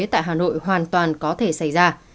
tại hà nội hoàn toàn có thể xảy ra